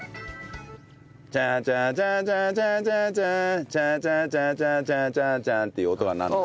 「チャチャチャチャチャチャチャ」「チャチャチャチャチャチャチャ」っていう音が鳴るのよ。